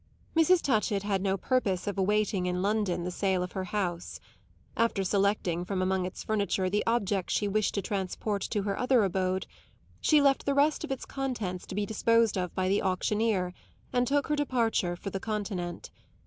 Mrs. Touchett had no purpose of awaiting in London the sale of her house. After selecting from among its furniture the objects she wished to transport to her other abode, she left the rest of its contents to be disposed of by the auctioneer and took her departure for the Continent.